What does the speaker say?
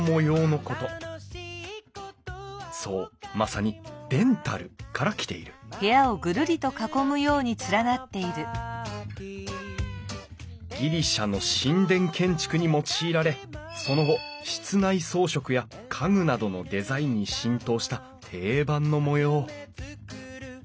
そうまさに「デンタル」から来ているギリシャの神殿建築に用いられその後室内装飾や家具などのデザインに浸透した定番の模様